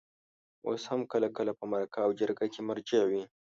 اوس هم کله کله په مرکه او جرګه کې مرجع وي.